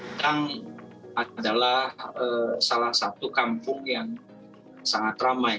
sedang adalah salah satu kampung yang sangat ramai